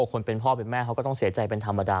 คนเป็นพ่อเป็นแม่เขาก็ต้องเสียใจเป็นธรรมดา